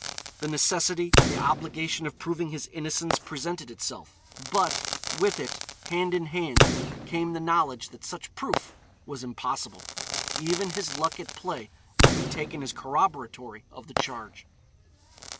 The necessity, the obligation of proving his innocence presented itself, but, with it, hand in hand, came the knowledge that such proof was impossible. Even his luck at play would be taken as corroboratory of the charge.